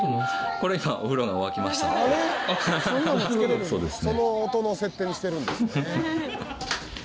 これ今その音の設定にしてるんですね。